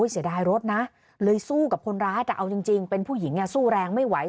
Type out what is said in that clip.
เสียดายรถนะเลยสู้กับคนร้ายแต่เอาจริงเป็นผู้หญิงสู้แรงไม่ไหว